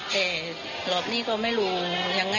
แต่หลอดหนี้ก็ไม่รู้ยังไง